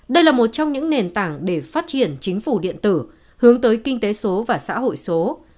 đây là một trong những nền tảng để phát triển chính phủ điện tử hướng tới kinh tế số và xã hội số